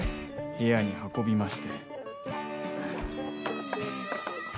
部屋に運びまして。